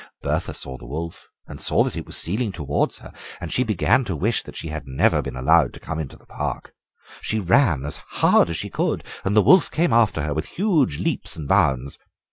Bertha saw the wolf and saw that it was stealing towards her, and she began to wish that she had never been allowed to come into the park. She ran as hard as she could, and the wolf came after her with huge leaps and bounds.